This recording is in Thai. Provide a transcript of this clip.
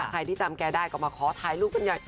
ใครที่จำแกได้ก็มาขอถ่ายรูปกันใหญ่